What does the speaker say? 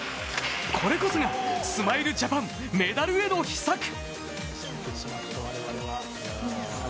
これこそがスマイルジャパンメダルへの秘策。